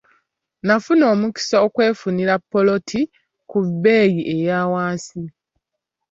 Nafuna omukisa okwefunira ppoloti ku bbeeyi eya wansi.